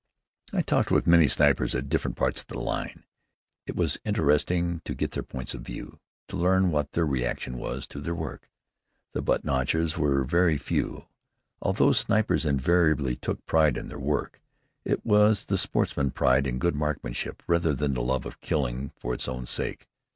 I talked with many snipers at different parts of the line. It was interesting to get their points of view, to learn what their reaction was to their work. The butt notchers were very few. Although snipers invariably took pride in their work, it was the sportsman's pride in good marksmanship rather than the love of killing for its own sake.